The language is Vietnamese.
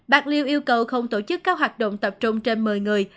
bạc liêu yêu cầu không tổ chức các hoạt động tập trung trên một mươi người